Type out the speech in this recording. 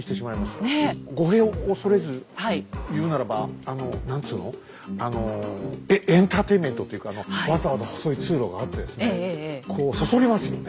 語弊を恐れず言うならばあの何つのあのエンターテインメントっていうかわざわざ細い通路があってですねこうそそりますよね。